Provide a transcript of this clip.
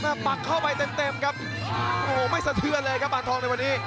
ปักเข้าไปเต็มเต็มครับโอ้โหไม่สะเทือนเลยครับปานทองในวันนี้